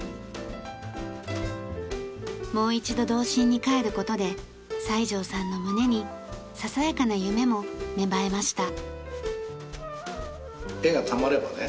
もう一度童心に帰る事で西條さんの胸にささやかな夢も芽生えました。